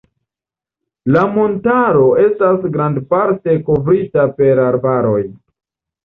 La montaro estas grandparte kovrita per arbaroj.